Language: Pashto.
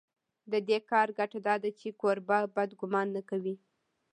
د دې کار ګټه دا ده چې کوربه بد ګومان نه کوي.